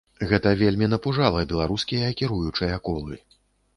Гэта вельмі напужала беларускія кіруючыя колы.